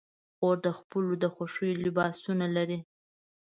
خور د خپلو د خوښې لباسونه لري.